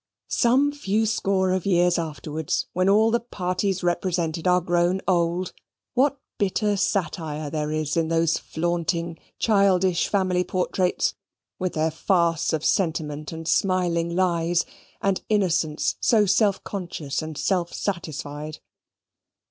Some few score of years afterwards, when all the parties represented are grown old, what bitter satire there is in those flaunting childish family portraits, with their farce of sentiment and smiling lies, and innocence so self conscious and self satisfied.